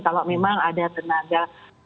kalau memang ada tenaga